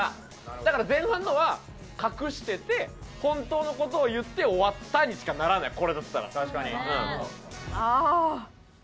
だから前半のは隠してて本当の事を言って終わったにしかならないこれだったら。